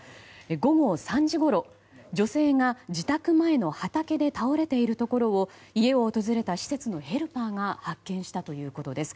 午後３時ごろ、女性が自宅前の畑で倒れているところを家を訪れた施設のヘルパーが発見したということです。